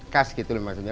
khas gitu maksudnya